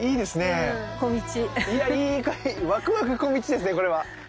ワクワク小道ですねこれは。